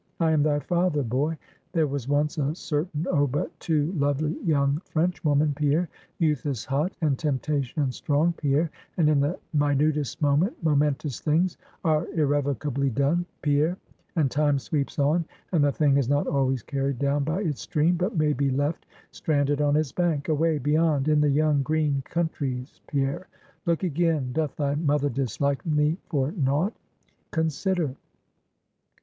I am thy father, boy. There was once a certain, oh, but too lovely young Frenchwoman, Pierre. Youth is hot, and temptation strong, Pierre; and in the minutest moment momentous things are irrevocably done, Pierre; and Time sweeps on, and the thing is not always carried down by its stream, but may be left stranded on its bank; away beyond, in the young, green countries, Pierre. Look again. Doth thy mother dislike me for naught? Consider.